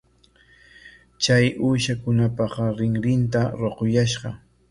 Chay uushakunapa rinrinta ruquyashqa.